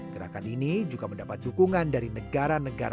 gerakan ini juga mendapatkan penghargaan dari pemerintahan yang berbeda